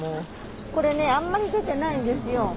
これねあんまり出てないんですようん。